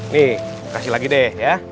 nih kasih lagi deh ya